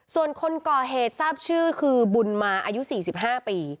ส่วนคนก่อเหตุทราบชื่อคือบุญมาอายุสี่สิบห้าปี